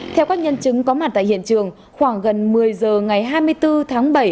theo các nhân chứng có mặt tại hiện trường khoảng gần một mươi giờ ngày hai mươi bốn tháng bảy